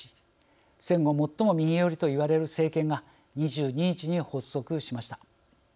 戦後最も右寄りといわれる政権が２２日に発足しました。